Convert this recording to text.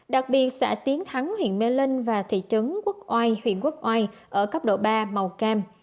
đặc biệt xã tiến thắng huyện mê linh và thị trấn quốc oai huyện quốc oai ở cấp độ ba màu cam